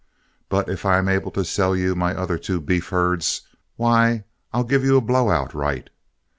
But if I'm able to sell you my other two beef herds, why, I'll give you a blow out right.